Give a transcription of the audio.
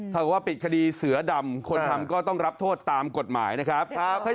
ถ้าว่าปิดคดีเสือดำคนทำก็ต้องรับโทษตามกฎหมายนะครับ